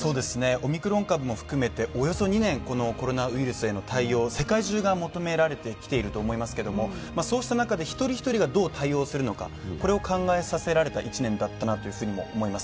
オミクロン株も含めて、およそ２年コロナウイルスへの対応、世界中が求められてきていると思いますけれども、そうした中で一人一人がどう対応するのか考えさせられた１年だったと思います。